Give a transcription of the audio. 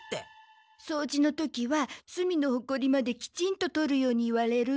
そうじの時はすみのホコリまできちんと取るように言われる。